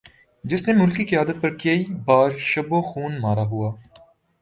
جس نے ملکی قیادت پر کئی بار شب خون مارا ہو